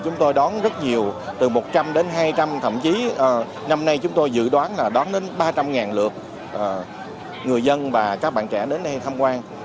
năm nay chúng tôi dự đoán đón đến ba trăm linh lượt người dân và các bạn trẻ đến đây tham quan